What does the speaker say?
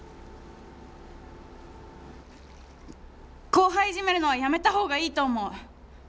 後輩いじめるのはやめた方がいいと思う！